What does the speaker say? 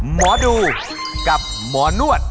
หมอดูกับหมอนวด